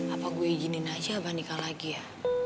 apa saya ijinin saja abah nikah lagi ya